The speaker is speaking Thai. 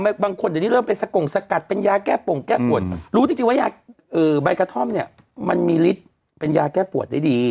บางคนเดี๋ยวนี้เริ่มเป็นสกงสกัดเป็นยาแก้ปงแก้ปวดรู้จริงว่ายาใบกระท่อมเนี่ยมันมีฤทธิ์เป็นยาแก้ปวดได้ดี